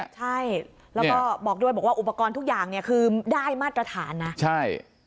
ใช่แล้วก็บอกด้วยบอกว่าอุปกรณ์ทุกอย่างเนี่ยคือได้มาตรฐานนะใช่